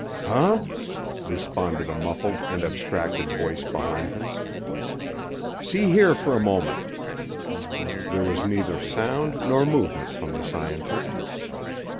"Huh?" responded a muffled and abstracted voice behind him. "See here for a moment." There was neither sound nor movement from the scientist.